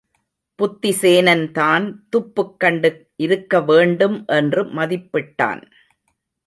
புத்திசேனன்தான் துப்புக் கண்டு இருக்க வேண்டும் என்று மதிப்பிட்டான்.